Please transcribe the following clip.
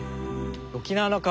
沖縄の川